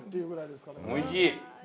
おいしい！